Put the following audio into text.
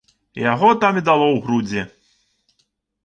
Яго там і дало ў грудзі.